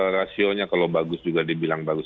rasionya kalau bagus juga dibilang bagus